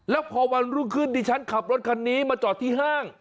แล้วพอวันรุ่งขึ้นดิฉันขับรถคันนี้มาจอดที่ห้าง